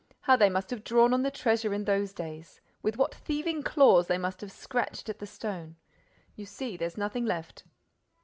How they must have drawn on the treasure in those days! With what thieving claws they must have scratched at the stone. You see, there's nothing left."